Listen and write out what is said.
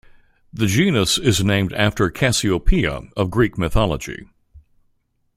The genus is named after Cassiopeia of Greek mythology.